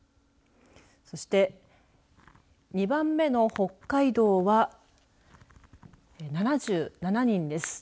そして２番目の北海道は７７人です。